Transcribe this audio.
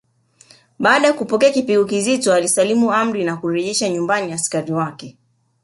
Baada ya kupokea kipigo kizito alisalimu amri na kurejesha nyumbani askari wake